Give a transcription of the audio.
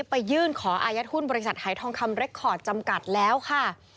ไปยื่นขออายัดหุ้นบริษัทหายทองคำเรคคอร์ดจำกัดแล้วค่ะ